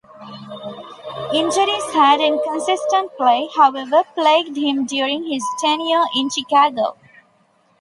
Injuries and inconsistent play, however, plagued him during his tenure in Chicago.